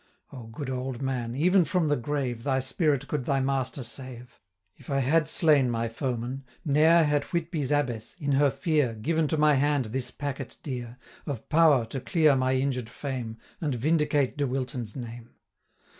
O good old man! even from the grave, 250 Thy spirit could thy master save: If I had slain my foeman, ne'er Had Whitby's Abbess, in her fear, Given to my hand this packet dear, Of power to clear my injured fame, 255 And vindicate De Wilton's name.